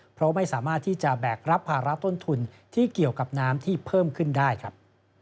เพราะไม่สามารถที่จะแบกรับภาระต้นทุนที่เกี่ยวกับน้ำที่เพิ่มขึ้นได้ครับ